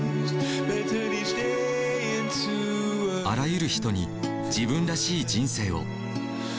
あらゆる人に自分らしい人生を。